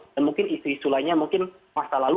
jadi istri istrinya mungkin masa lalu